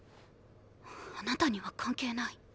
あなたには関係ない。